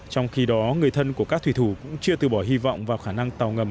trong khi đó người thân của các thủy thủ cũng chưa từ bỏ hy vọng vào khả năng tàu ngầm